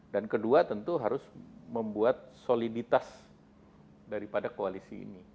dan kedua tentu harus membuat soliditas daripada koalisi ini